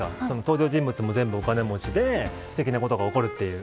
登場人物もみんなお金持ちですてきなことが起こるという。